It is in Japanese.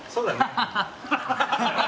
ハハハハ！